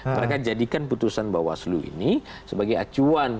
mereka jadikan putusan bawaslu ini sebagai acuan